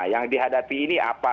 yang dihadapi ini apa